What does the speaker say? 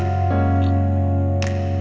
sini kita mulai mencoba